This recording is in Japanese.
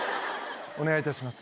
お願いいたします。